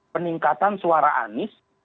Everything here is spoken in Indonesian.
peningkatan suara anies